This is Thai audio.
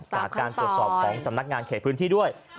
จากการตรวจสอบของสำนักงานเขตพื้นที่ด้วย